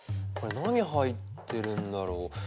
これ何入ってるんだろう？